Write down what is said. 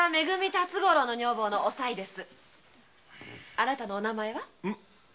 あなたのうむお名前は？